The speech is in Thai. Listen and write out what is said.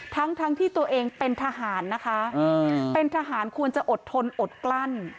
ทั้งทั้งที่ตัวเองเป็นทหารนะคะเป็นทหารควรจะอดทนอดกลั้น